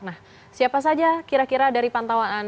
nah siapa saja kira kira dari pantauan anda